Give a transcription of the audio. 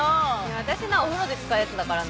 私のはお風呂で使うやつだからね。